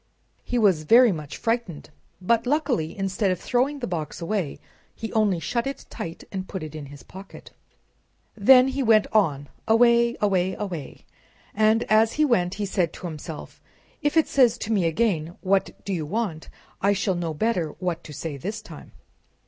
He was very much frightened, but, luckily, instead of throwing the box away he only shut it tight and put it in his pocket. Then he went on, away, away, away, and as he went he said to himself, "if it says to me again, 'What do you want?' I shall know better what to say this time."